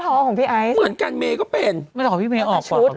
ท้องของพี่ไอซ์เหมือนกันเมก็เป็นแต่ขอพี่เมย์ออกกว่าหัวอาคาร